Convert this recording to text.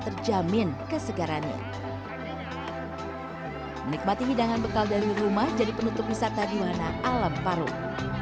terjamin kesegarannya menikmati hidangan bekal dari rumah jadi penutup wisata di mana alam parut